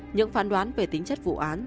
những phản đoán về tính chất vụ án